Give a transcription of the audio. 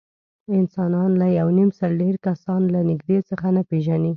انسانان له یونیمسل ډېر کسان له نږدې څخه نه پېژني.